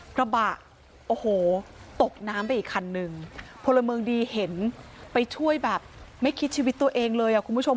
กระบะโอ้โหตกน้ำไปอีกคันนึงพลเมืองดีเห็นไปช่วยแบบไม่คิดชีวิตตัวเองเลยอ่ะคุณผู้ชม